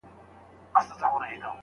بازاريان له ډېر وخته ساعتونه پلوري.